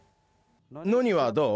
ノニはどう？